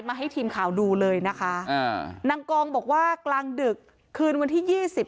ให้ทีมข่าวดูเลยนะคะอ่านางกองบอกว่ากลางดึกคืนวันที่ยี่สิบ